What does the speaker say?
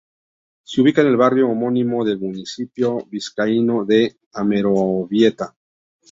Se ubica en el barrio homónimo del municipio vizcaíno de Amorebieta.